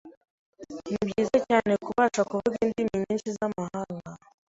Nibyiza cyane kubasha kuvuga indimi nyinshi zamahanga.